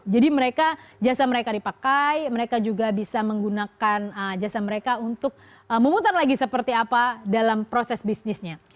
jadi mereka jasa mereka dipakai mereka juga bisa menggunakan jasa mereka untuk memutar lagi seperti apa dalam proses bisnisnya